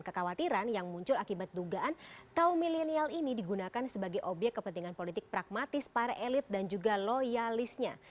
kekhawatiran yang muncul akibat dugaan kaum milenial ini digunakan sebagai obyek kepentingan politik pragmatis para elit dan juga loyalisnya